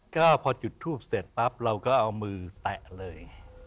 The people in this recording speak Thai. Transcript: ก็พอจุดทูปเสร็จปั๊บเราก็เอามือแตะเลย